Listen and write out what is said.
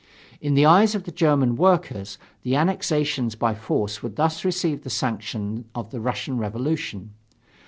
In the eyes of the German workers, the annexations by force would thus receive the sanction of the Russian Revolution.